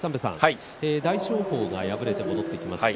大翔鵬が敗れて戻ってきました。